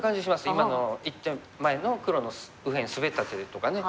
今の１手前の黒の右辺スベった手とかね。